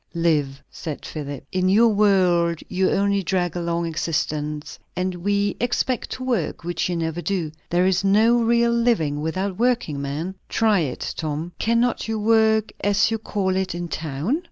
"Live," said Philip. "In your world you only drag along existence. And we expect to work, which you never do. There is no real living without working, man. Try it, Tom." "Cannot you work, as you call it, in town?"